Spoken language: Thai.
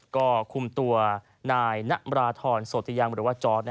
ก็คุมตัวนายนราธรโสติยังหรือว่าจอร์ด